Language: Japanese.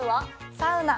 サウナ。